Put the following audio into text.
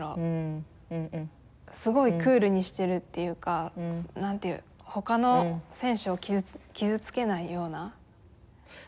すごいクールにしてるっていうかほかの選手を傷つけないような。